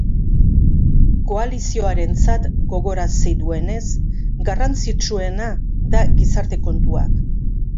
Koalizioarentzat, gogorarazi duenez, garrantzitsuena da gizarte-kontuak.